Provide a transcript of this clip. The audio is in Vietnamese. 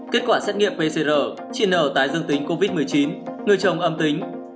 kết quả xét nghiệm pcr chin n tái dương tính covid một mươi chín người chồng âm tính